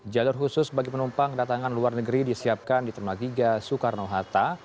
jadwal khusus bagi penumpang datangan luar negeri disiapkan di termagiga soekarno hatta